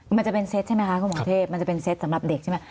มันจะเป็นเซตใช่ไหมคะคนกรุงเทพมันจะเป็นเซตสำหรับเด็กใช่ไหม